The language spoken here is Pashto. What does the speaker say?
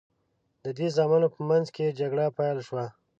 د دې زامنو په منځ کې جګړه پیل شوه.